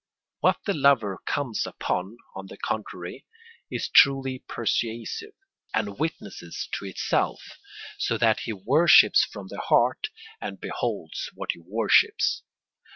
What the lover comes upon, on the contrary, is truly persuasive, and witnesses to itself, so that he worships from the heart and beholds what he worships.